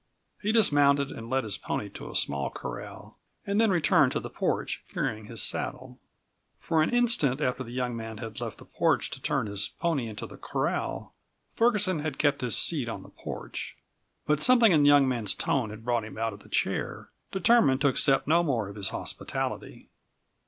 He dismounted and led his pony to a small corral and then returned to the porch, carrying his saddle. For an instant after the young man had left the porch to turn his pony into the corral Ferguson had kept his seat on the porch. But something in the young man's tone had brought him out of the chair, determined to accept no more of his hospitality.